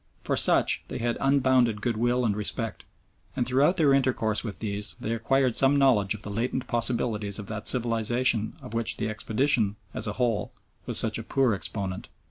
For such they had unbounded goodwill and respect, and through their intercourse with these they acquired some knowledge of the latent possibilities of that civilisation of which the expedition, as a whole, was such a poor exponent.